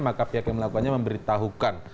maka pihak yang melakukannya memberitahukan